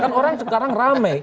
kan orang sekarang rame